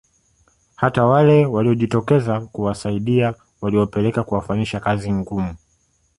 Hata wale waliojitokeza kuwasaidia waliwapeleka kuwafanyisha kazi ngumu